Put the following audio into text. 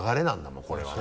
もうこれはな。